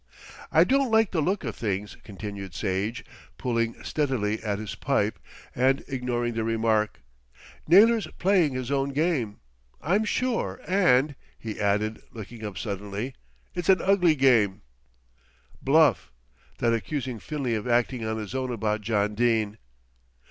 "I don't like the look of things," continued Sage, pulling steadily at his pipe and ignoring the remark. "Naylor's playing his own game, I'm sure and," he added, looking up suddenly, "it's an ugly game." "Bluff, that accusing Finlay of acting on his own about John Dene."